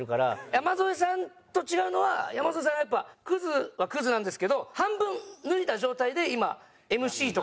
山添さんと違うのは山添さんはやっぱクズはクズなんですけど半分脱いだ状態で今ＭＣとかやったりしてるじゃないですか。